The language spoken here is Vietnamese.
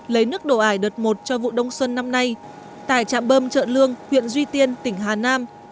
lấy nước đổ ải đợt một cho vụ đông xuân năm nay tại trạm bơm chợ lương huyện duy tiên tỉnh hà nam